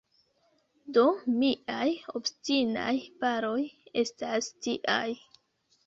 Do miaj “obstinaj baroj” estas tiaj.